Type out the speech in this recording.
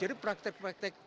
jadi praktek praktek digital itu